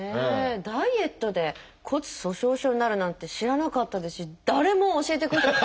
ダイエットで骨粗しょう症になるなんて知らなかったですし誰も教えてくれなかった。